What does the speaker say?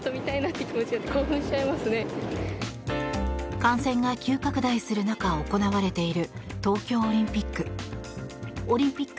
感染が急拡大する中行われている東京オリンピック。